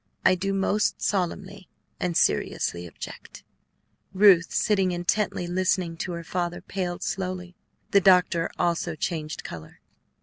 I do most solemnly and seriously object." Ruth, sitting intently listening to her father, paled slowly. The doctor also changed color.